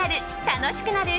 楽しくなる！